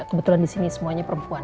kebetulan disini semuanya perempuan